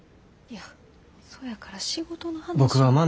いやそやから仕事の話は。